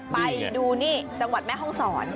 ไปดูนี่จังหวัดแม่ห้องศร